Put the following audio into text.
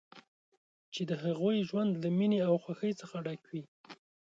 چې د هغوی ژوند له مینې او خوښۍ څخه ډک وي.